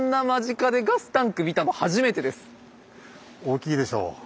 大きいでしょう。